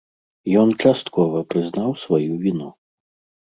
Ён часткова прызнаў сваю віну.